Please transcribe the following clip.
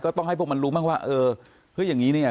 ต้องให้พวกมันรู้บ้างว่าเออเฮ้ยอย่างนี้เนี่ย